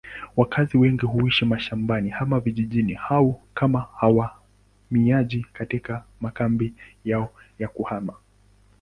Wakazi wengi huishi mashambani ama vijijini au kama wahamiaji katika makambi yao ya kuhama.